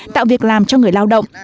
tạo việc làm cho người lao động